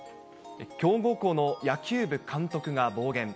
強豪校の野球部監督が暴言。